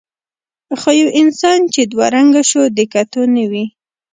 خو یو انسان چې دوه رنګه شو د کتو نه وي.